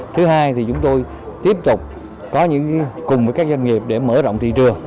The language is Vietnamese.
thứ hai thì chúng tôi tiếp tục có những cùng với các doanh nghiệp để mở rộng thị trường